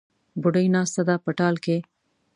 بوډۍ ناسته ده په ټال کې